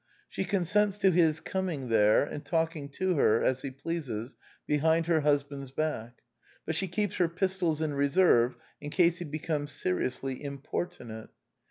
She consents to his coming there and talk ing to her as he pleases behind her husband's back; but she keeps her pistols in reserve in case he becomes seriously importunate.